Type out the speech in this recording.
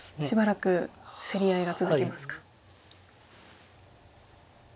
しばらく競り合いが続きますか。